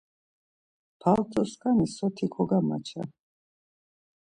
Paltoskani soti kogamaça!